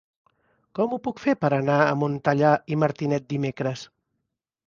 Com ho puc fer per anar a Montellà i Martinet dimecres?